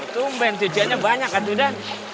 tumben cuciannya banyak kan tuh dan